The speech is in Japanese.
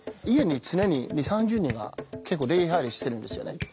家に常に２０３０人が結構出はいりしてるんですよね。